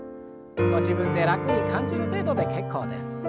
ご自分で楽に感じる程度で結構です。